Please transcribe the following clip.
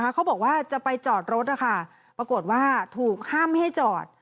เขาบอกว่าจะไปจอดรถปรากฏว่าถูกห้ามไม่ให้จอด